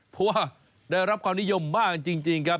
เพราะว่าได้รับความนิยมมากจริงครับ